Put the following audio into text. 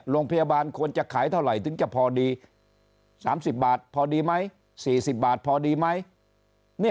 โรงพยาบาลควรจะขายเท่าไหร่ถึงจะพอดี๓๐บาทพอดีไหม๔๐บาทพอดีไหม